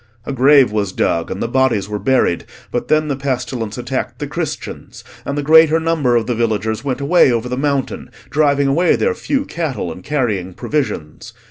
A grave was dug, and the bodies were buried; but then the pestilence attacked the Christians, and the greater number of the villagers went away over the mountain, driving away their few cattle, and carrying provisions.